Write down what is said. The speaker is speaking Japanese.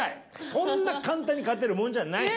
そんな簡単に勝てるもんじゃない！